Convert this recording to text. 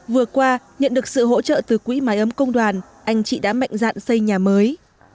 vừa qua nhận được sự hỗ trợ từ quỹ máy ấm công đoàn anh chị đã mạnh dạn xây nhà mới